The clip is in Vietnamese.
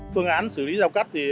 phương án xử lý giao cắt